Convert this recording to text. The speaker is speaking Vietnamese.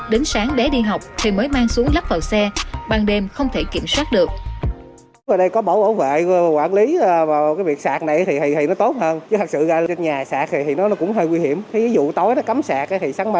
đến sáng để đi học thì mới mang xuống lắp vào xe ban đêm không thể kiểm soát được